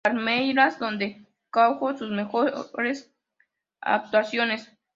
Palmeiras, donde cuajó sus mejores actuaciones.